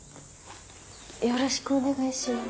よろしくお願いします。